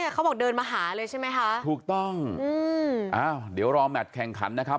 เขาบอกเดินมาหาเลยใช่ไหมคะถูกต้องอืมอ้าวเดี๋ยวรอแมทแข่งขันนะครับ